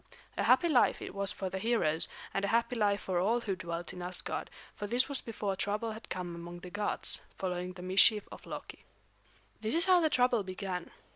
A happy life it was for the heroes, and a happy life for all who dwelt in Asgard; for this was before trouble had come among the gods, following the mischief of Loki. This is how the trouble began.